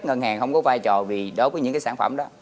ngân hàng không có vai trò vì đó có những cái sản phẩm đó